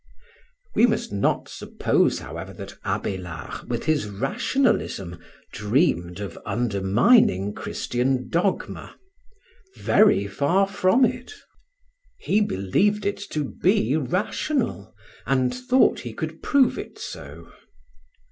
We must not suppose, however, that Abélard, with his rationalism, dreamed of undermining Christian dogma. Very far from it! He believed it to be rational, and thought he could prove it so.